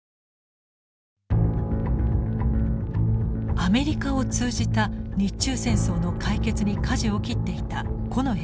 アメリカを通じた日中戦争の解決にかじを切っていた近衛文麿。